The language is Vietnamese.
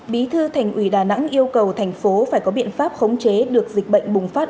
bí thư thành ủy đà nẵng yêu cầu thành phố phải có biện pháp khống chế được dịch bệnh bùng phát